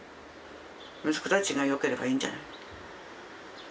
息子たちがよければいいんじゃない？